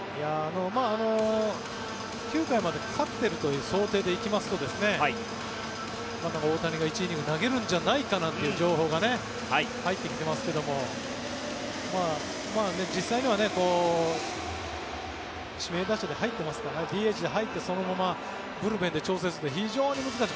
９回まで勝ってるという想定で行きますと大谷が１イニング投げるんじゃないかという情報が入ってきていますが実際には指名打者で入ってますからＤＨで入ってそのままブルペンで調整って非常に難しい。